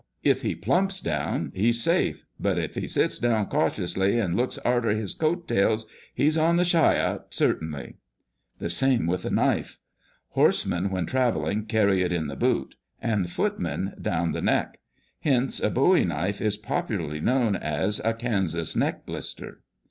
If he plumps down, he's safe ; but if he sits down cautiously and looks arter his coat tails, he's on the shyot — certain !" The same with a knife. Horsemen, when travelling, carry it in the boot, and foot men down the neck; hence a bowie knife is popularly known as a " Kansas neck blister."